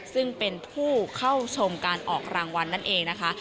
ซึ่งเป็นผู้เข้าชมการออกรางวัลนั่นเองนะคะ